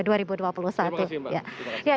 terima kasih mbak